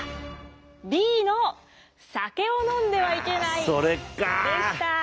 Ｂの酒を飲んではいけないでした。